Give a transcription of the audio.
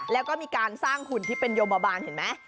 แล้วก็มีการสร้างหุ่นที่เป็นโยบาบาลเห็นไหม